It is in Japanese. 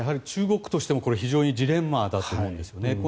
中国としても非常にジレンマだと思うんですよね。